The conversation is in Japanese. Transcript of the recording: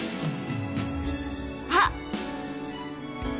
あっ！